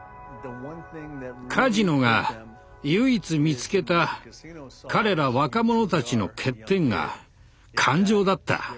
カジノが唯一見つけた彼ら若者たちの欠点が感情だった。